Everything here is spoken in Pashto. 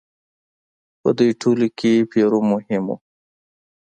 په دوی ټولو کې پیرو مهم و.